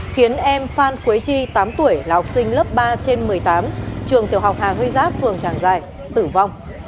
khiến em phan quế chi tám tuổi là học sinh lớp ba trên một mươi tám trường tiểu học hà huy giáp phường tràng giải tử vong